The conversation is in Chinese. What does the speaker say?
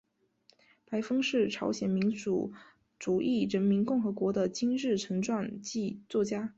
白峰是朝鲜民主主义人民共和国的金日成传记作家。